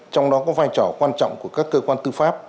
trong đó có vai trò quan trọng của các cơ quan tư pháp